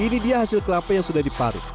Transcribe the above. ini dia hasil kelapa yang sudah diparut